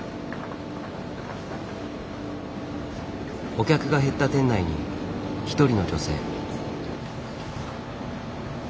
お客が減った店内に一人の女性。